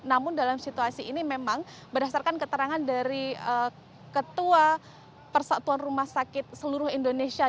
namun dalam situasi ini memang berdasarkan keterangan dari ketua persatuan rumah sakit seluruh indonesia